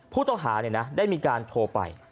ผู้ต้องหาเนี่ยนะได้มีการโทรไป